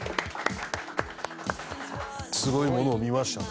すごいものを見ましたね